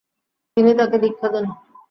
তিনি তাকে দীক্ষা দেন।